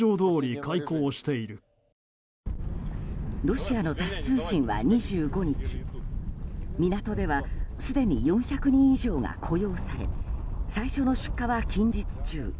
ロシアのタス通信は２５日港ではすでに４００人以上が雇用され最初の出荷は近日中